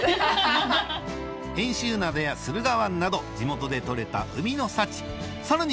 遠州灘や駿河湾など地元でとれた海の幸さらに